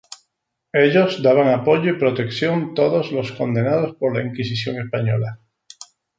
Ellos daban apoyo y protección todos los condenados por la Inquisición española.